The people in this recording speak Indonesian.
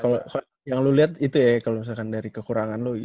kalo yang lu liat itu ya kalo misalkan dari kekurangan lu gitu